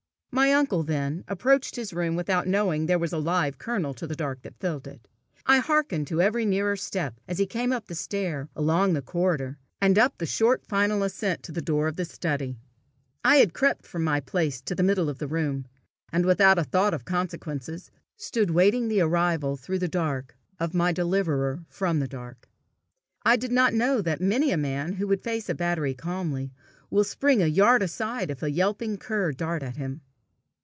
My uncle, then, approached his room without knowing there was a live kernel to the dark that filled it. I hearkened to every nearer step as he came up the stair, along the corridor, and up the short final ascent to the door of the study. I had crept from my place to the middle of the room, and, without a thought of consequences, stood waiting the arrival through the dark, of my deliverer from the dark. I did not know that many a man who would face a battery calmly, will spring a yard aside if a yelping cur dart at him.